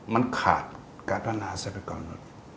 มันขาดการพัฒนาทรัพย์พิกรนั้น